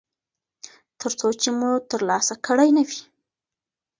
ترڅو چې مو ترلاسه کړی نه وي.